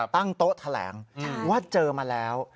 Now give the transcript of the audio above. ตั้งโต๊ะแถลงว่าเจอมาแล้ว